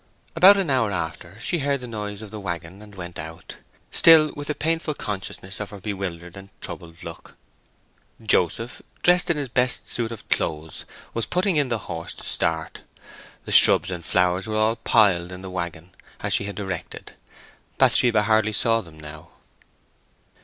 About an hour after, she heard the noise of the waggon and went out, still with a painful consciousness of her bewildered and troubled look. Joseph, dressed in his best suit of clothes, was putting in the horse to start. The shrubs and flowers were all piled in the waggon, as she had directed; Bathsheba hardly saw them now.